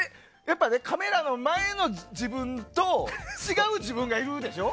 カメラの前の自分と違う自分がいるでしょ。